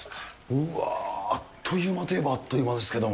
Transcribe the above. うーわ、あっという間といえばあっという間ですけど。